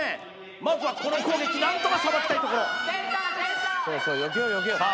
まずはこの攻撃何とかさばきたいところさあ